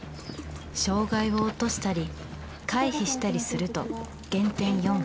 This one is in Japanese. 障害を落としたり回避したりすると減点４。